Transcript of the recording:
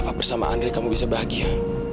apa bersama andri kamu bisa bahagia